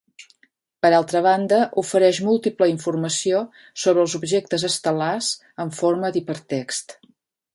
Per altra banda, ofereix múltiple informació sobre els objectes estel·lars en forma d'hipertext.